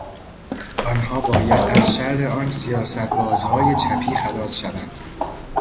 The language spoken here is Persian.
آنها باید از شر آن سیاستبازهای چپی خلاص شوند.